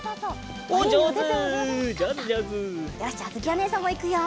よしじゃああづきおねえさんもいくよ。